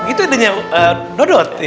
itu idenya dodot